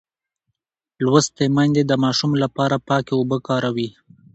لوستې میندې د ماشوم لپاره پاکې اوبه کاروي.